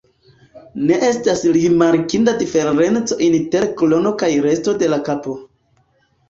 Ne estas rimarkinda diferenco inter krono kaj resto de la kapo.